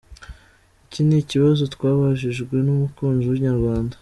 Iki ni ikibazo twabajijwe n’umukunzi wa inyarwanda.